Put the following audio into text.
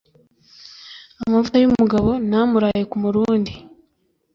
amavuta y'umugabo niamuraye ku murundi